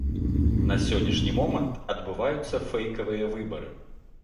На сённяшні момант адбываюцца фэйкавыя выбары.